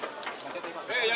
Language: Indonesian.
eh jangan ingin lagi mas